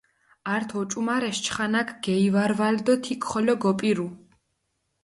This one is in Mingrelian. ართ ოჭუმარეს, ჩხანაქ გელივარვალჷ დო თიქ ხოლო გოპირუ.